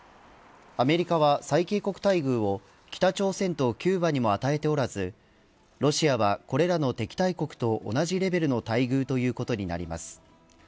アメリカは最恵国待遇を北朝鮮とキューバにも与えておらずロシアは、これらの敵対国と同じレベルの待遇ということになります。